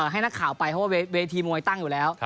ให้นักข่าวไปเพราะว่าเวทีมวยตั้งอยู่แล้ว